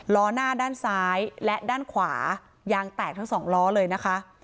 ล้อหน้าด้านซ้ายและด้านขวายางแตกทั้งสองล้อเลยนะคะ